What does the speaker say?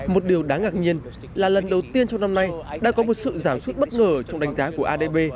một điều đáng ngạc nhiên là lần đầu tiên trong năm nay đã có một sự giảm suất bất ngờ trong đánh giá của adb